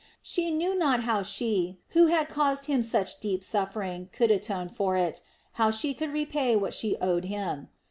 She knew not how she who had caused him such deep suffering could atone for it, how she could repay what she owed him.